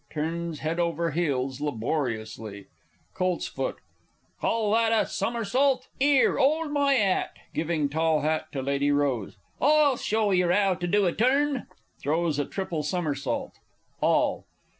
[Turns head over heels laboriously. Colts. Call that a somersault? 'Ere, 'old my 'at (giving tall hat to Lady R.) I'll show yer 'ow to do a turn. [Throws a triple somersault. _All.